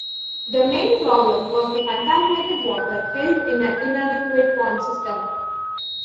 The main problem was the contaminated water held in an inadequate pond system.